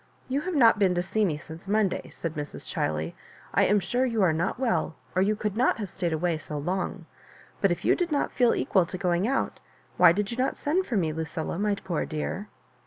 "You have not been to see me since Monday," saki Mrs. Chiley. "I am sure you are not well, or you could not have stayed away so long; but if you did not feel equal to going out, why did not you send for me, Lucilla^ my poor dear?